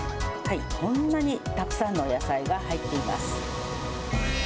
こんなにたくさんのお野菜が入っています。